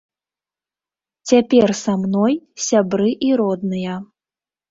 Цяпер са мной сябры і родныя.